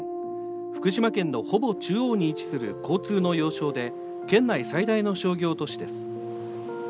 福島県のほぼ中央に位置する交通の要衝で県内最大の商業都市です。